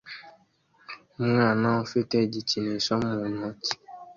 Umwana ufite igikinisho mu ntoki